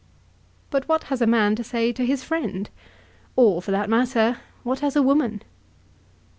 But what has a man to say to his friend, or, for that matter, what has a woman?